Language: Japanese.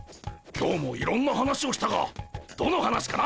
今日もいろんな話をしたがどの話かな。